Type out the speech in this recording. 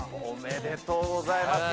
おめでとうございます。